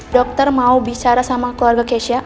dokter mau bicara sama keluarga keisha